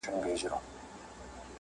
هغه بودا چې نړۍ ته یې